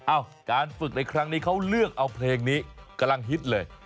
การฝึกในครั้งนี้เขาเลือกเอาเพลงนี้กำลังฮิตเลย